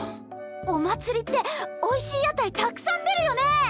お祭りっておいしい屋台たくさん出るよね！